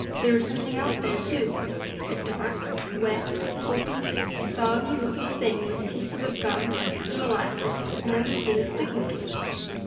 There was something else there, too a dark, wet, pulpy, soggy looking thing with pieces of gum and molasses candy and other things sticking to it.